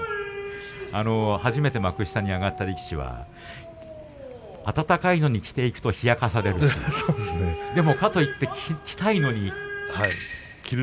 初めて幕下に上がった力士は暖かいのに着ていると冷やかされるとでもかと言って着たいのに。